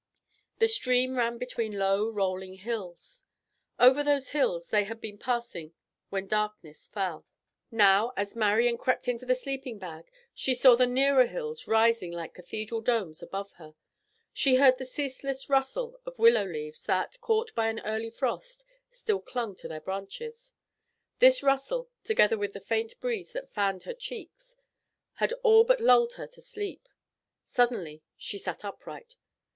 The stream ran between low, rolling hills. Over those hills they had been passing when darkness fell. Now, as Marian crept into the sleeping bag, she saw the nearer hills rising like cathedral domes above her. She heard the ceaseless rustle of willow leaves that, caught by an early frost, still clung to their branches. This rustle, together with the faint breeze that fanned her cheeks, had all but lulled her to sleep. Suddenly she sat upright.